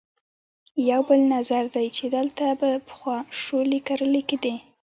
یو بل نظر دی چې دلته به پخوا شولې کرلې کېدې.